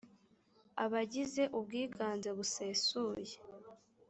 abagize ubwiganze busesuye.